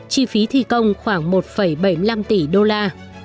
chi phí thi công khoảng một bảy mươi năm tỷ đô la